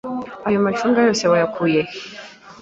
Ayo macunga yose wayakuye he?